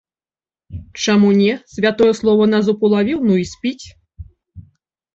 Чаму не, святое слова на зуб улавіў, ну, і спіць.